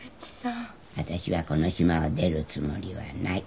わたしはこの島を出るつもりはない。